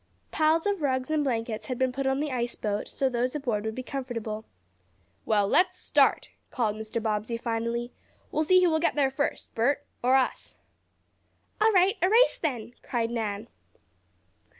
Piles of rugs and blankets had been put on the ice boat so those aboard would be comfortable. "Well, let's start!" called Mr. Bobbsey finally. "We'll see who will get there first, Bert, or us." "All right a race then!" cried Nan.